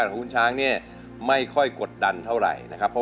รู้จักครับ